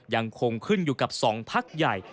ยังคงขึ้นอยู่กับ๒พักใหญ่